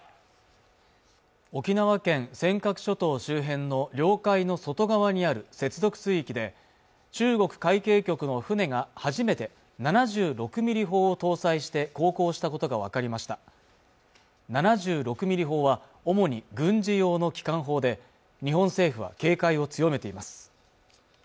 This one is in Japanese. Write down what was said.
沖縄県尖閣諸島周辺の領海の外側にある接続水域で中国海警局の船が初めて７６ミリ砲を搭載して航行したことが分かりました７６ミリ砲は主に軍事用の機関砲で日本政府は警戒を強めています